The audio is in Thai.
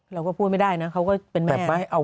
เราก็พูดไม่ได้นะเขาก็เป็นแบบว่า